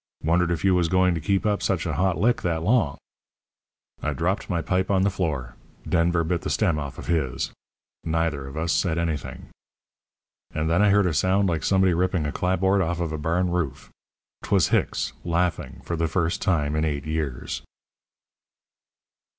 Wondered if you was going to keep up such a hot lick that long.' "I dropped my pipe on the floor. Denver bit the stem off of his. Neither of us said anything. "And then I heard a sound like somebody ripping a clapboard off of a barn roof. 'Twas Hicks laughing for the first time in eight years."